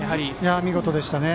見事でしたね。